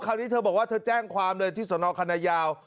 คราวนี้เธอบอกว่าเธอแจ้งความเลยที่สนคณะยาว